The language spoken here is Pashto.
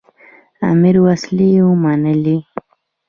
امیر وسلې ومنلې.